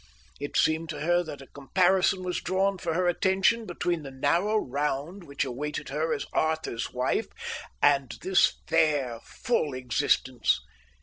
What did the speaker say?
It seemed to her that a comparison was drawn for her attention between the narrow round which awaited her as Arthur's wife and this fair, full existence.